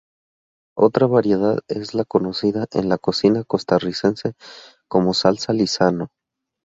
Otra variedad es la conocida en la cocina costarricense como Salsa Lizano.